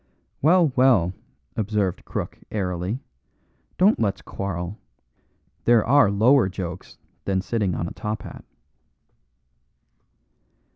"Well, well," observed Crook, airily, "don't let's quarrel. There are lower jokes than sitting on a top hat."